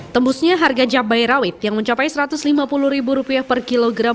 tembusnya harga cabai rawit yang mencapai satu ratus lima puluh per kilogram